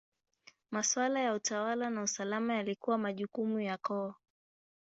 Maswala ya utawala na usalama yalikuwa majukumu ya koo.